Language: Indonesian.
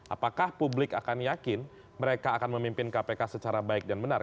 apakah publik akan yakin mereka akan memimpin kpk secara baik dan benar